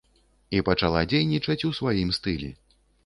І пачала дзейнічаць у сваім стылі.